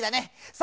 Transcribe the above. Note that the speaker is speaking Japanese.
さ